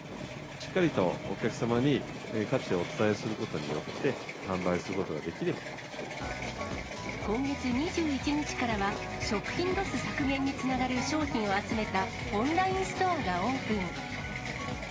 しっかりとお客様に価値をお伝えすることによって、販売すること今月２１日からは、食品ロス削減につながる商品を集めたオンラインストアがオープン。